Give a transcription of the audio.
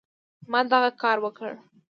ما دغه کار وکړ.